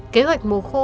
kế hoạch mùa khô